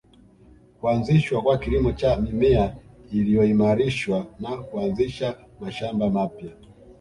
Kuanzishwa kwa kilimo cha mimea iliyoimarishwa na kuanzisha mashamba mapya